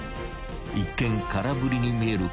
［一見空振りに見える